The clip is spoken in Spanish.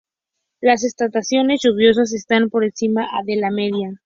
Las estaciones lluviosas están por encima de la media.